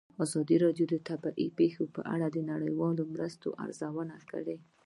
ازادي راډیو د طبیعي پېښې په اړه د نړیوالو مرستو ارزونه کړې.